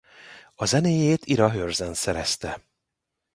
A zenéjét Ira Hearsen szerezte.